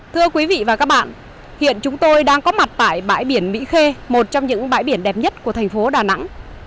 thưa quý vị và các bạn hiện chúng tôi đang có mặt tại bãi biển mỹ khê một trong những bãi biển đẹp nhất của thành phố đà nẵng